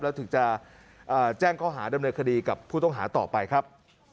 แล้วถึงจะแจ้งข้อหาดำเนินคดีกับผู้ต้องหาต่อไปครับ